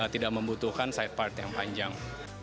tidak membutuhkan side part yang panjang